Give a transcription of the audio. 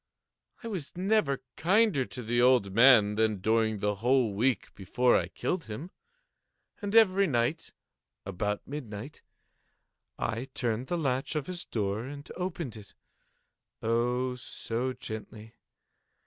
I was never kinder to the old man than during the whole week before I killed him. And every night, about midnight, I turned the latch of his door and opened it—oh, so gently!